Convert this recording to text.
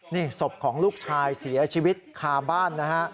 นี่ศพลูกของลูกชายเสียชีวิตขาบ้าน